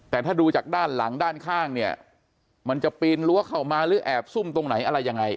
แต่ถ้าดูจากด้านหลังด้านข้างเนี่ยมันจะปีนรั้วเข้ามาหรือแอบซุ่มตรงไหนอะไรยังไง